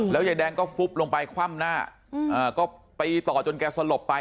ยายแดงก็ฟุบลงไปคว่ำหน้าก็ไปต่อจนแกสลบไป